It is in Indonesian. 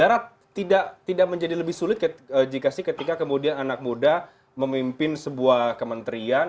darat tidak menjadi lebih sulit jika sih ketika kemudian anak muda memimpin sebuah kementerian